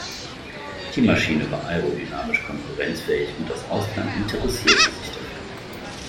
Die Maschine war aerodynamisch konkurrenzfähig, und das Ausland interessierte sich dafür.